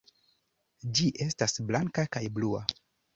Ĝi estas blanka kaj blua.